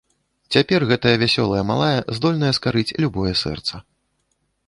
Цяпер гэтая вясёлая малая здольная скарыць любое сэрца.